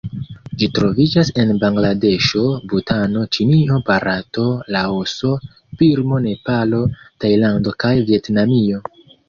Ĝi troviĝas en Bangladeŝo, Butano, Ĉinio, Barato, Laoso, Birmo, Nepalo, Tajlando kaj Vjetnamio.